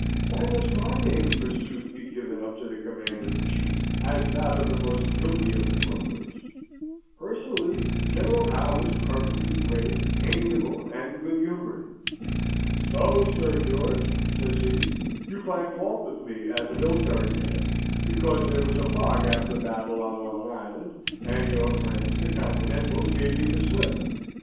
Why must my name forsooth be given up to the Commander in Chief as that of the most guilty of the grumblers? Personally, General Howe was perfectly brave, amiable, and good humoured. "So, Sir George," says he, "you find fault with me, as a military man, because there was a fog after the battle on Long Island, and your friends, the Continentals, gave me the slip!